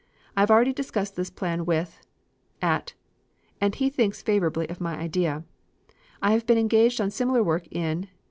I have already discussed this plan with ... at ... and he thinks favorably of my idea. I have been engaged on similar work in